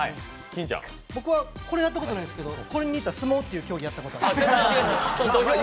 僕はこれやったことないですけどこれに似た相撲というゲームをやったことあります。